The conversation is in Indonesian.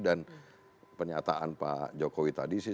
dan pernyataan pak jokowi tadi sih